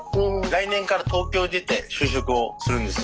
来年から東京に出て就職をするんです。